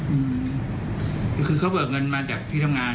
อืมอย่างนี้คือเขาเบิกเงินมาจากที่ทำงาน